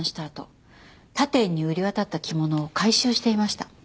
あと他店に売り渡った着物を回収していました。